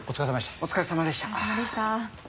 お疲れさまでした。